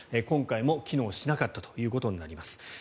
今回も機能しなかったということになります。